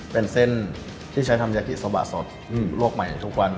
เป็นเส้นที่ใช้ทำยากิโซบะสดลวกใหม่ทุกวัน